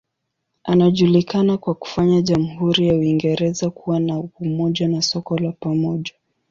Anajulikana kwa kufanya jamhuri ya Uingereza kuwa na umoja na soko la pamoja.